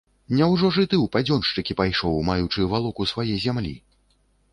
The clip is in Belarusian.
Няўжо ж і ты ў падзёншчыкі пайшоў, маючы валоку свае зямлі?